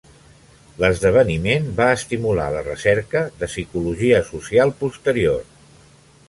L'esdeveniment va estimular la recerca de psicologia social posterior.